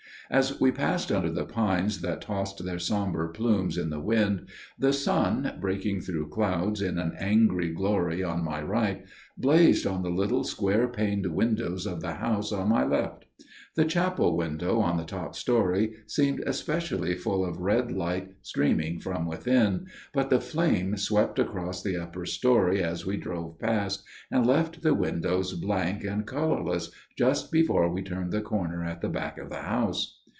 As we passed under the pines that tossed their sombre plumes in the wind, the sun, breaking through clouds in an angry glory on my right, blazed on the little square paned windows of the house on my left. The chapel window on the top story seemed especially full of red light streaming from within, but the flame swept across the upper story as we drove past, and left the windows blank and colourless just before we turned the corner at the back of the house.